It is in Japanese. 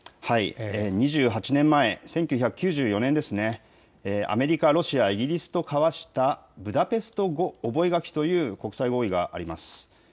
２８年前、１９９４年、アメリカ、ロシア、イギリスと交わしたブダペスト覚書という国際合意があります。